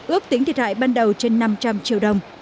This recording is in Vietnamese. ước tính thiệt hại ban đầu trên năm trăm linh triệu đồng